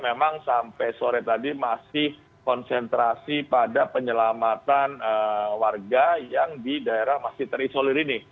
memang sampai sore tadi masih konsentrasi pada penyelamatan warga yang di daerah masih terisolir ini